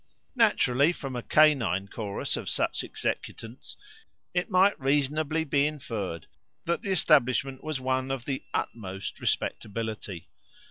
Naturally, from a canine chorus of such executants it might reasonably be inferred that the establishment was one of the utmost respectability.